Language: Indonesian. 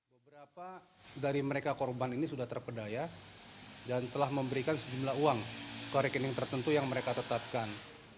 beberapa dari mereka korban ini sudah terpedaya dan telah memberikan sejumlah uang ke rekening tertentu yang mereka tetapkan